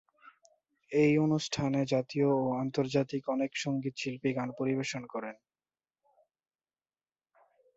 এই অনুষ্ঠানে জাতীয় ও আন্তর্জাতিক অনেক সঙ্গীত শিল্পী গান পরিবেশন করেন।